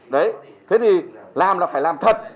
đấy thế thì làm là phải làm thật